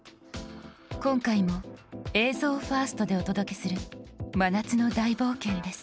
今回も「映像ファースト」でお届けする真夏の大冒険です。